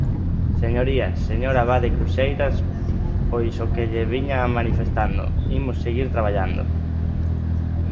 Señorías, señor Abade Cruxeiras, pois o que lle viña manifestando: imos seguir traballando.